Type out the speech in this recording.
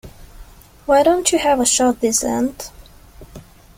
Why don't you have a shot this end?